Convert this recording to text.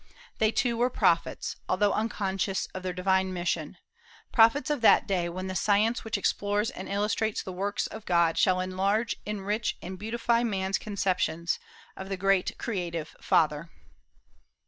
They too were prophets, although unconscious of their divine mission, prophets of that day when the science which explores and illustrates the works of God shall enlarge, enrich, and beautify man's conceptions of the great creative Father.